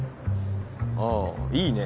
ああいいね。